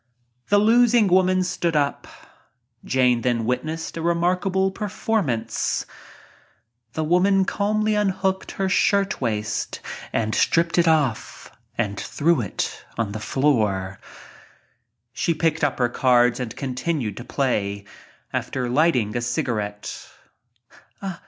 The losing woman stood up. Jane then 1 wit nessed a remarkable performance. The woman calmly unhooked her shirtwaist and stripped it off her and threw it on the floor. She picked up her cards and continued to play, after lighting a cigarette.